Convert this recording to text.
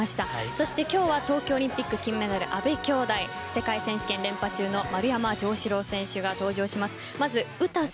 そして今日は東京オリンピック金メダル阿部きょうだい世界選手権連覇中の丸山城志郎選手が登場します。